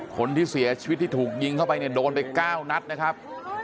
คนที่เสียชีวิตที่ถูกยิงเข้าไปเนี่ยโดนไป๙นัดนะครับ